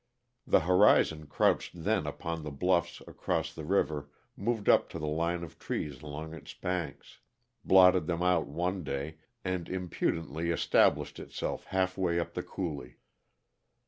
The horizon crouched then upon the bluffs across the river, moved up to the line of trees along its banks, blotted them out one day, and impudently established itself half way up the coulee.